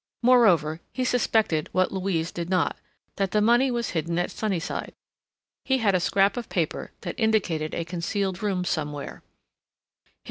Moreover, he suspected what Louise did not, that the money was hidden at Sunnyside. He had a scrap of paper that indicated a concealed room somewhere.